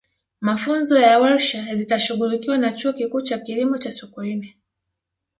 mafunzo na warsha zitashughulikiwa na chuo kikuu cha kilimo cha sokoine